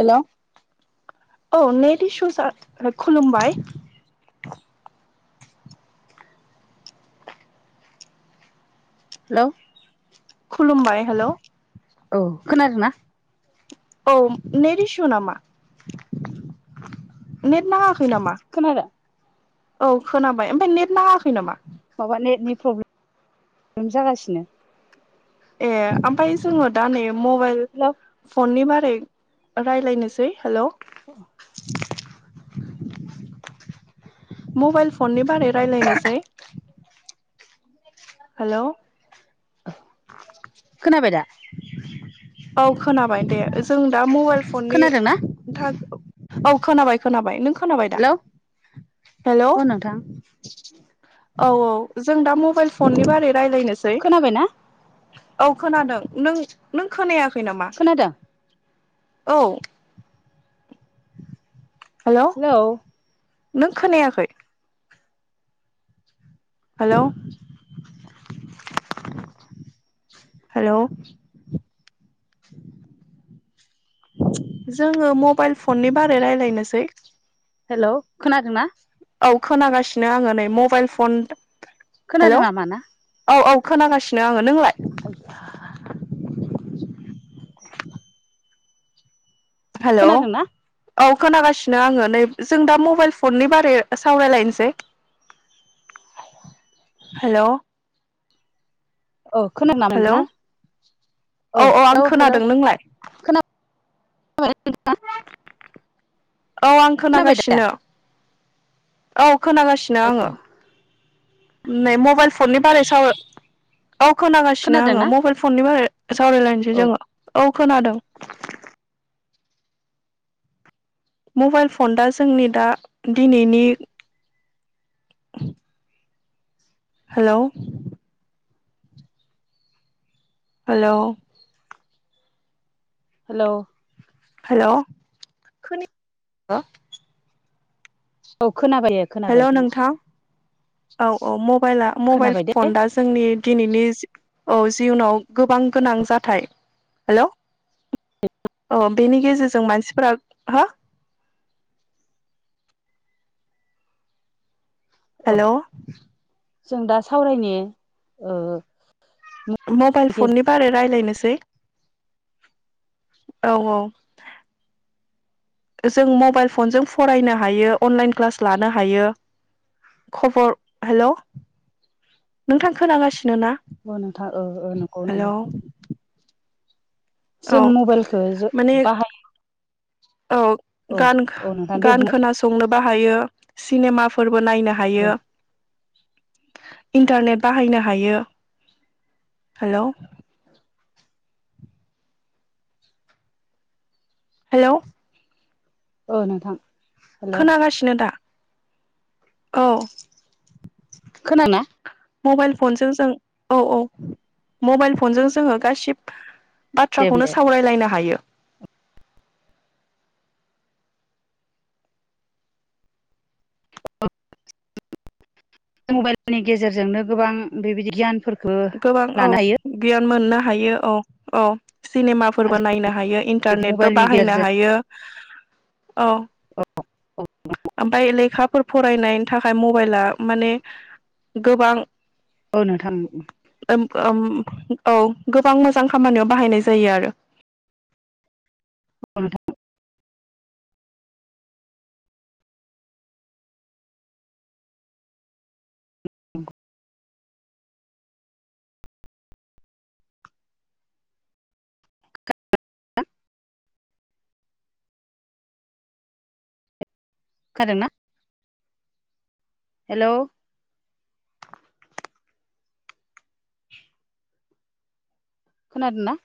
हेल' औ नेडिशुसआ खुलुमबाय हेल' खुलुमबाय हेल' औ खोनादों ना? औ नेट इसु नामा? नेट नाङा। खोनादों? औ खोनाबाय ओमफ्राय नेट नाङायाखै नामा? माबा नेटनि फ्रब्लेम जागासिनो। ए ओमफाय जोङो दा नै मबाइल हेल' फननि बारै रायलायनोसै। हेलौ! मबाइल फननि बारै रायलायनोसै हेलौ! खोनाबाय दा? औ खोनाबाय दे जों दा मबाइल फननि खोनादोंना थाखाय। औ खोनाबाय-खोनाबाय। नों खोनाबाय दा? औ नोंथां। औ-औ जों दा मबाइल फननि बारै रायलायनोसै। खोनाबायना औ खोनादों नों-नों खोनायाखै नामा? खोनादों औ। हेलौ! नों खोनायाखै? हेलौ! हेलौ! जोङो मबाइल फननि बारै रायलायनोसै? हेलौ! खोनादोंना? औ खोनागासिनो आङो नै मबाइल फन। हेलौ खोनादोंना मा ना? औ औ खोनागासिनो आङो। नोंलाय? हेलौ खोनादोंना? औ खोनागासिनो आङो नै जों दा मबाइल फननि बारै सावरायलायनोसै? हेलौ! औ खोनादों ना हेलौ नोंथां औ आं हेलौ-हेलौ खोनादों नोंलाय खोना। [inaudible] औ आं दा खोनागासिनो औ। खोनांगासिनो आङो नै मबाइल फननि बारै साव। औ खोनागासिनो खोनादों आङो ना? मबाइल फननि बारै सावरायलायनोसै औ जोङो औ खोनादों। [inaudible] मबाइल फन दा जोंनि दा दिनैनि। [inaudible] हेलौ! हेलौ! हेलौ! हेलौ! [unintelligible] औ खोनाबाय दे खोनाबाय-खोनाबाय। औ-औ मबाइला मबाइल दे फन दा जोंनि दिनैनि। औ जियुनाव गोबां गोनां जाथाइ हेलौ! अ! बेनि गेजेर। जों मानसिफ्रा हो? हेलौ! जों दा सावरायनि ओ। मबाइल फननि बारै रायलायनोसै। है। औ-औ। जों मबाइल फनजों फरायनो हायो, अनलाइन क्लास लानो हायो। खबर हेलौ! नोंथां खोनागासिनो। नोना गेजेर नोंथां ओ ओ नंगौ नंगौ हेलौ! जों मबाइलखौ जो माने बाहायो। औ औ गान औ नोंथां दे गान बुंलाय खोनासंनो बाहायो सिनेमाफोर बो नायनो हायो इन्टारने बाहनो हायो हेल' हेलै औ नोंथां। हेल' खोनागासिनो दा औ खोनाना मबाइल फनजों जों औ औ मबाइल फनजों जोङो गासिब दे बुं बाथ्राखौनो दे सावरायलायनो हायो। मबाइलनि गेजेरजोंनो गोबां बेबायदि गियानफोर गोबां औ गियान मोननो हायो औ औ। आरो सिनेमाफोरबो नायनो हायो बिदि इन्टारनेटबो मबाइलनि बाहायनो गेजेरजों हायो। औ औ औ ओमफ्राय लेखाफोर फ रायनायनि थाखाय मबाइला माने गोबां औ न ओम ओम औ गोबां मोजां खामानियाव बाहायनाय जायो आरो। थ' नोंथां। [inaudible] कोदों ना हेल' खोनादोंना?